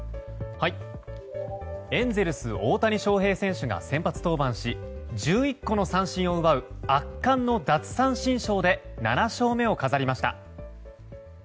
エンゼルス大谷翔平選手が先発登板し１１個の三振を奪う圧巻の奪三振ショーで７勝目を飾りました。